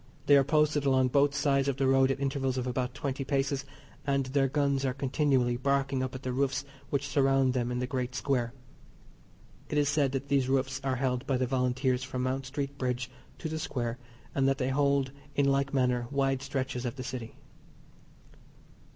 They are posted along both sides of the road at intervals of about twenty paces, and their guns are continually barking up at the roofs which surround them in the great square. It is said that these roofs are held by the Volunteers from Mount Street Bridge to the Square, and that they hold in like manner wide stretches of the City.